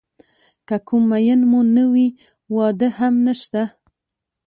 که کوم مېن مو نه وي واده هم نشته.